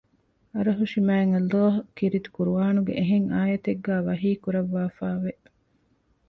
އަރަހުށިމާތްﷲ ކީރިތި ޤުރްއާނުގެ އެހެން އާޔަތެއްގައި ވަޙީކުރައްވައިފައިވެ